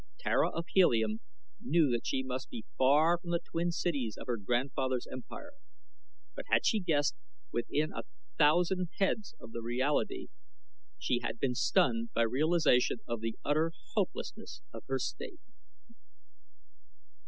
Tara of Helium knew that she must be far from the twin cities of her grandfather's empire, but had she guessed within even a thousand haads of the reality, she had been stunned by realization of the utter hopelessness of her state.